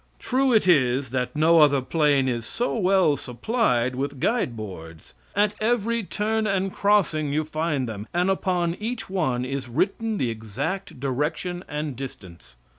True it is that no other plain is so well supplied with guideboards. At every turn and crossing you find them, and upon each one is written the exact direction and distance.